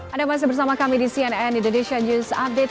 anda masih bersama kami di cnn indonesia news update